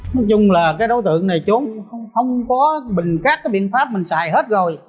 nói chung là cái đối tượng này trúng không có mình cắt cái biện pháp mình xài hết rồi